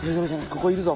ここいるぞ！